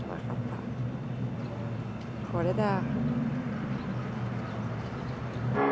これだ！